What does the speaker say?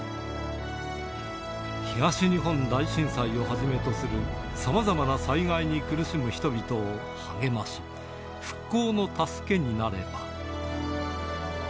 東日本大震災をはじめとするさまざまな災害に苦しむ人々を励まし、復興の助けになれば。